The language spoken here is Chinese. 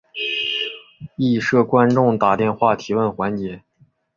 亦设观众打电话提问环节。